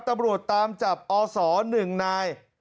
ตำรวจตามจับอศ๑นาย